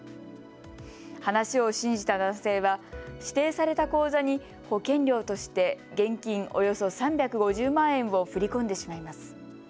話を信じた男性は指定された口座に保険料として現金およそ３５０万円を振り込んでしまいます。